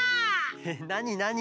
えっなになに！？